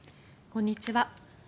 こんにちは。